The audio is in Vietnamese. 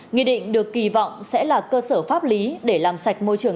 nghị định được kỳ vọng sẽ là cơ sở pháp lý để làm sạch môi trường